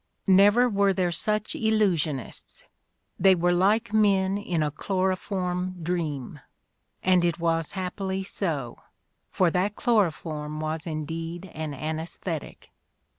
Never were there such illu sionists : they were like men in a chloroform dream, and it was happily so, for that chloroform was indeed an anjEsthetic.